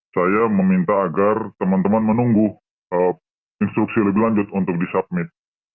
saya meminta agar teman teman menunggu instruksi lebih lanjut untuk disubmit